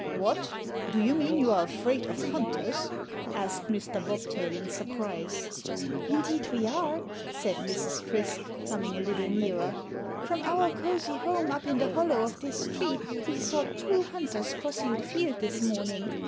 "What! Do you mean you are afraid of hunters?" asked Mr. Bobtail in surprise. "Indeed, we are," said Mrs. Frisk, coming a little nearer. "From our cosy home up in the hollow of this tree we saw two hunters crossing the field this morning.